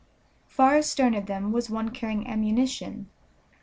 Far astern of them was one carrying ammunition.